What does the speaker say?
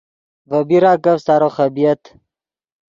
ڤے بیراکف سارو خبۡیت